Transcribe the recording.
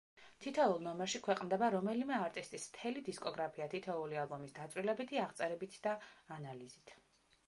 თითოეულ ნომერში ქვეყნდება რომელიმე არტისტის მთელი დისკოგრაფია თითოეული ალბომის დაწვრილებითი აღწერებით და ანალიზით.